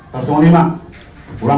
dan semua orang